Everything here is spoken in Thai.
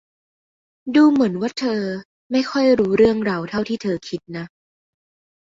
ดูเหมือนว่าเธอไม่ค่อยรู้เรื่องเราเท่าที่เธอคิดนะ